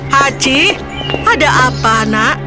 hachi ada apa nak